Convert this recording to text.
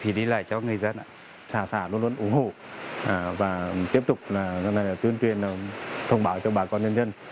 khi phí đi lại cho người dân xã xã luôn luôn ủng hộ và tiếp tục tuyên truyền thông báo cho bà con nhân dân